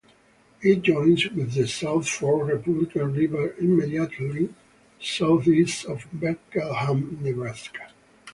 It joins with the South Fork Republican River immediately southeast of Benkelman, Nebraska.